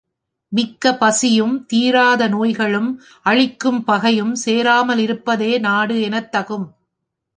மிக்க பசியும், தீராத நோய்களும், அழிக்கும் பகையும் சேராமல் இருப்பதே நாடு எனத் தகும்.